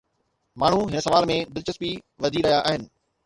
ماڻهو هن سوال ۾ دلچسپي وڌي رهيا آهن.